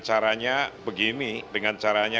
caranya begini dengan caranya